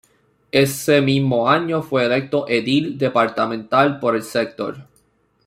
Ese mismo año fue electo Edil departamental por el sector.